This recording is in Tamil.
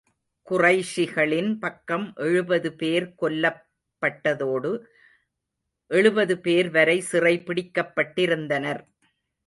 குறைஷிகளின் பக்கம் எழுபது பேர் கொல்லப் பட்டதோடு, எழுபது பேர் வரை சிறை பிடிக்கப்பட்டிருந்தனர்.